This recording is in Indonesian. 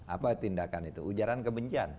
apa tindakan itu ujaran kebencian